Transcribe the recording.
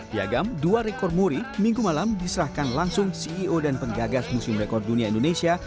piagam dua rekor muri minggu malam diserahkan langsung ceo dan penggagas museum rekor dunia indonesia